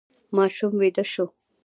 ماشوم ویده شو.